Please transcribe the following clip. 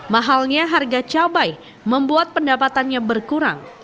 mahalnya harga cabai membuat pendapatannya berkurang